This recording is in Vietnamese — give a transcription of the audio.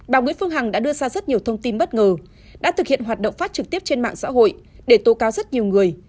bà nguyễn phương hằng đã đưa ra rất nhiều thông tin bất ngờ đã thực hiện hoạt động phát trực tiếp trên mạng xã hội để tố cáo rất nhiều người